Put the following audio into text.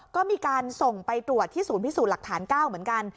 ก็มีการส่งไปตรวจที่ศูนย์พิสูจน์หลักฐาน๙เหมือนกัน